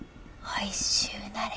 おいしゅうなれ。